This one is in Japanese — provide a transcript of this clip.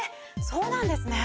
そうなんですね。